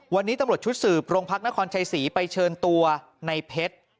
วันนี้ตำรวจชุดสืบโรงพักนครชัยศรีไปเชิญตัวในเพชร